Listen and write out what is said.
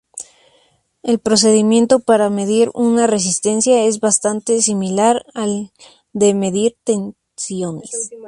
El procedimiento para medir una resistencia es bastante similar al de medir tensiones.